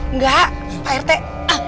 enggak tayar teh